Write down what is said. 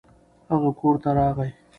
هغه کور ته راغی.